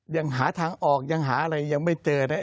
ยังหาทางออกยังหาอะไรยังไม่เจอนะ